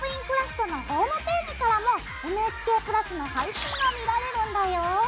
クラフト」のホームページからもＮＨＫ＋の配信が見られるんだよ。